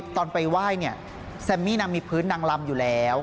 ตอนไปไหว้เนี่ยแซมมี่นางมีพื้นนางลำอยู่แล้ว